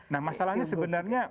nah masalahnya sebenarnya